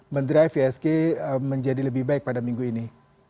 mendrive isg menjadi lebih baik pada minggu ini